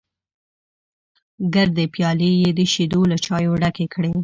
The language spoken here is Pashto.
ګردې پيالې یې د شیدو له چایو ډکې کړې.